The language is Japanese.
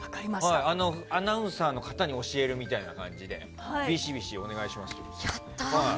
アナウンサーの方に教えるみたいな感じでびしびしお願いします。